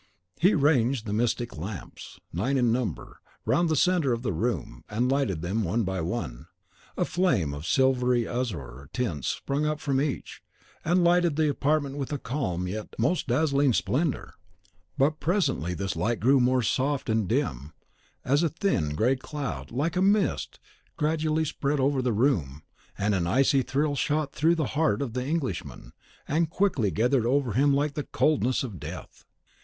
He ranged the mystic lamps (nine in number) round the centre of the room, and lighted them one by one. A flame of silvery and azure tints sprung up from each, and lighted the apartment with a calm and yet most dazzling splendour; but presently this light grew more soft and dim, as a thin, grey cloud, like a mist, gradually spread over the room; and an icy thrill shot through the heart of the Englishman, and quickly gathered over him like the coldness of death.